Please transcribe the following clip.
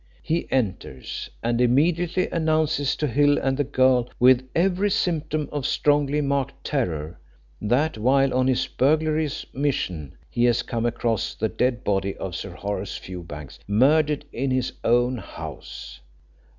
He enters, and immediately announces to Hill and the girl, with every symptom of strongly marked terror, that while on his burglarious mission, he has come across the dead body of Sir Horace Fewbanks murdered in his own house.